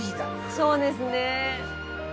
そうですね。